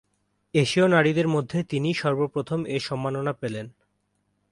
এশীয় নারীদের মধ্যে তিনিই সর্বপ্রথম এ সম্মাননা পেলেন।